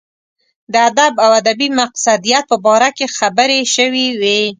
د ادب او ادبي مقصدیت په باره کې خبرې شوې وې.